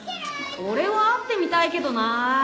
俺は会ってみたいけどな。